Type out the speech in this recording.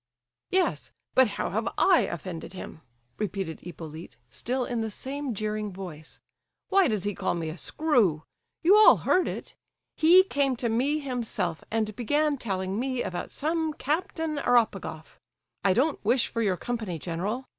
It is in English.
"Yes, but how have I offended him?" repeated Hippolyte, still in the same jeering voice. "Why does he call me a screw? You all heard it. He came to me himself and began telling me about some Captain Eropegoff. I don't wish for your company, general.